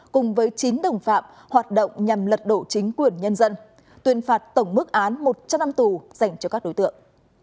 cùng với chín đồng phạm hoạt động nhằm lật đổ chính quyền nhân dân tuyên phạt tổng mức án một trăm linh năm tù dành cho các đối tượng